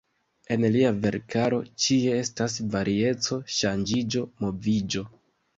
En lia verkaro ĉie estas varieco, ŝanĝiĝo, moviĝo.